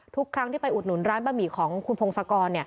ทุกครั้งที่ไปอุดหนุนร้านบะหมี่ของคุณพงศกร